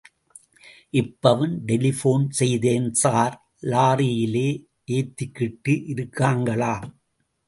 இப்பவும் டெலிபோன் செய்தேன் ஸார்... லாரியில ஏத்திக்கிட்டு இருக்காங்களாம்.